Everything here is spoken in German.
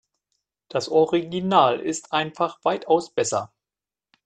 Das Original ist einfach weitaus besser.